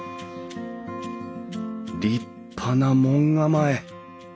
立派な門構え。